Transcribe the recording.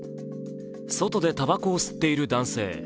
外でたばこを吸っている男性。